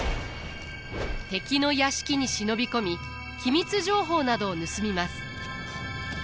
敵の屋敷に忍び込み機密情報などを盗みます。